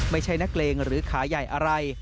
ไม่ใช่นักเลงหรือขาใหญ่อะไร